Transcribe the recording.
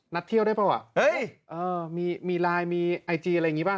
นัดเที่ยวได้มั้ยมีไลค์มีอายจีงอะไรอย่างงี้มั้ย